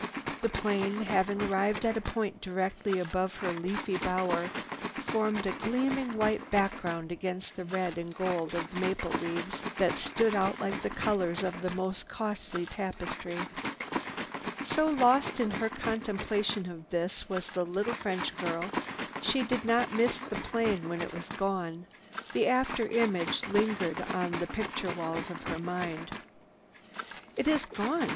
The plane, having arrived at a point directly above her leafy bower, formed a gleaming white background against which the red and gold of maple leaves stood out like the colors of the most costly tapestries. So lost in her contemplation of this was the little French girl, she did not miss the plane when it was gone. The after image lingered on the picture walls of her mind. "It is gone!"